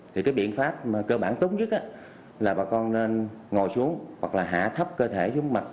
thì cái biện pháp cơ bản tốt nhất là bà con nên ngồi xuống hoặc là hạ thấp cơ thể xuống mặt